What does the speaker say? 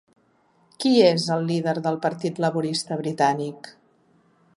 Qui és el líder del Partit Laborista britànic?